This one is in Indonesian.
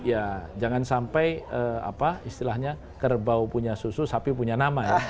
ya jangan sampai apa istilahnya kerbau punya susu sapi punya nama ya